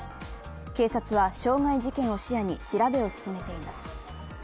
警察は傷害事件を視野に調べを進めています。